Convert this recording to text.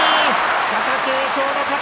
貴景勝の勝ち。